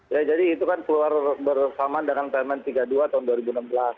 ya jadi itu kan keluar bersamaan dengan permen tiga puluh dua tahun dua ribu enam belas